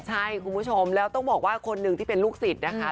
ใช่คุณผู้ชมแล้วต้องบอกว่าคนหนึ่งที่เป็นลูกศิษย์นะคะ